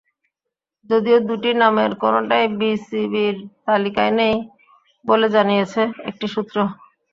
যদিও দুটি নামের কোনোটাই বিসিবির তালিকায় নেই বলে জানিয়েছে একটি সূত্র।